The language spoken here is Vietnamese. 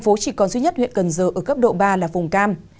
tp hcm chỉ còn duy nhất huyện cần giờ ở cấp độ ba là vùng cam